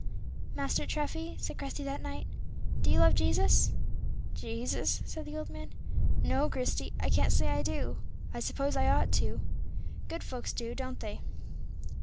"Master Treffy," said Christie, that night "do you love Jesus?" "Jesus!" said the old man; "no, Christie, I can't say I do. I suppose I ought to; good folks do, don't they?"